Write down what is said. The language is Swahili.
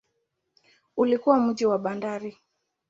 Ulikuwa mji wa bandari.